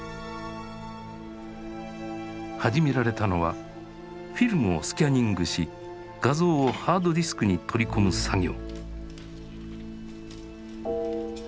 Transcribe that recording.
始められたのはフィルムをスキャニングし画像をハードディスクに取り込む作業。